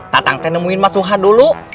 tatang temuin mas suha dulu